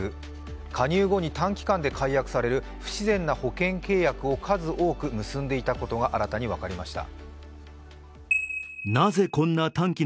加入後に短期間で解約される不自然な保険契約を数多く結んでいたことが新たに分かりました。